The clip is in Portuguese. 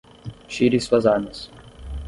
Tire suas armas.